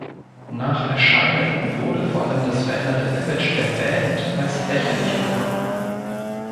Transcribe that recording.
Nach Erscheinen wurde vor allem das veränderte Image der Band als lächerlich empfunden.